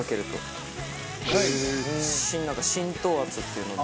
浸透圧っていうので。